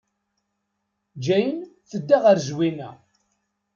Jane tedda ɣer Zwina.